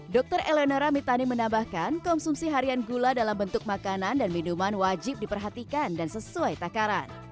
dr elenara mitani menambahkan konsumsi harian gula dalam bentuk makanan dan minuman wajib diperhatikan dan sesuai takaran